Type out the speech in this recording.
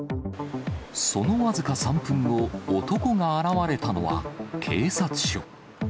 その僅か３分後、男が現れたのは、警察署。